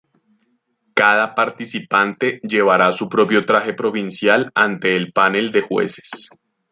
Cada participante llevará su propio traje provincial ante el panel de jueces.